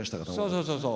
そうそうそうそう。